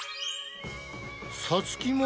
さつきも。